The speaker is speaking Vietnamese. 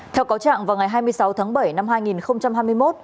theo cáo trạng vào ngày hai mươi sáu tháng bảy năm hai nghìn một mươi bảy